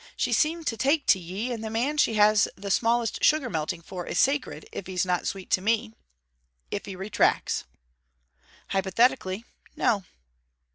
She seemed to take to ye, and the man she has the smallest sugar melting for is sacred if he's not sweet to me. If he retracts!' 'Hypothetically, No.'